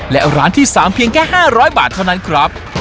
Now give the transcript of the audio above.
และร้านที่๓เพียงแค่๕๐๐บาทเท่านั้นครับ